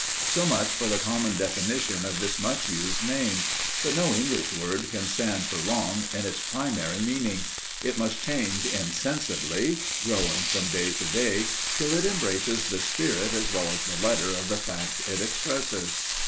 So much for the common definition of this much used name. But no English word can stand for long in its primary meaning. It must change insensibly, growing from day to day, till it embraces the spirit as well as the letter of the fact it expresses.